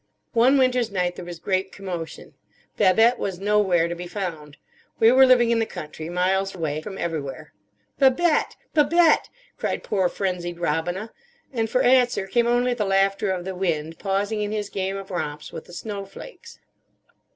One winter's night there was great commotion. Babette was nowhere to be found. We were living in the country, miles away from everywhere. "Babette, Babette," cried poor frenzied Robina; and for answer came only the laughter of the wind, pausing in his game of romps with the snow flakes.